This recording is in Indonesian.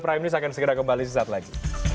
prime news akan segera kembali suatu saat lagi